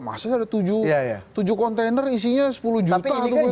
masa sih ada tujuh kontainer isinya sepuluh juta